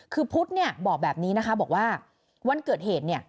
คือพุธบอกแบบนี้นะคะบอกว่าวันเกิดเหตุ